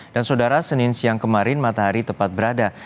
dan saudara senin siang kemarin matahari tepat berada di atas kap